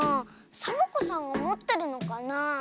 サボ子さんがもってるのかなあ。